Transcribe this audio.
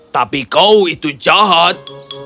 tapi kau itu jahat